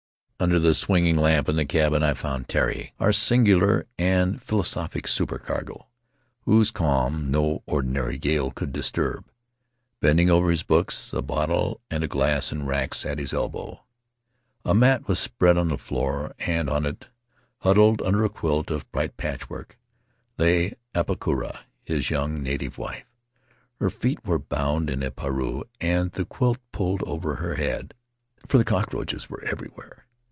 Under the swinging lamp in the cabin I found Tari — our singular and philosophic supercargo, whose calm no ordinary gale could disturb — bending over his books, a bottle and a glass in racks at his elbow. A mat was spread on the floor and on it — huddled under a quilt of bright patchwork — lay Apakura, his young native wife. Her feet were bound in a pareu and the quilt pulled over her head, for the cockroaches were every where.